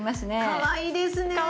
かわいいですね。